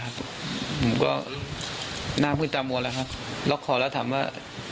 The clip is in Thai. ผมก็หน้าพื้นตามวนแล้วครับแล้วขอแล้วถามว่า